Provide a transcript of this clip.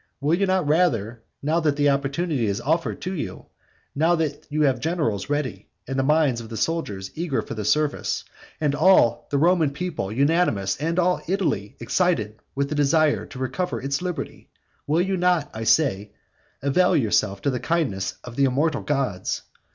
will you not rather, now that the opportunity is offered to you, now that you have generals ready, and the minds of the soldiers eager for the service, and all the Roman people unanimous, and all Italy excited with the desire to recover its liberty, will you not, I say, avail yourself of the kindness of the immortal gods?